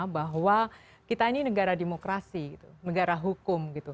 bahwa kita ini negara demokrasi negara hukum gitu